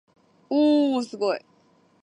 おおおすごい